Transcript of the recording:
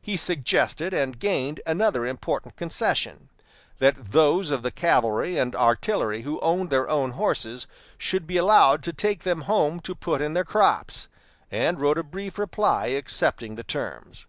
He suggested and gained another important concession that those of the cavalry and artillery who owned their own horses should be allowed to take them home to put in their crops; and wrote a brief reply accepting the terms.